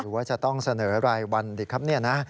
หรือว่าจะต้องเสนออะไรวันดีครับเนี่ยนะ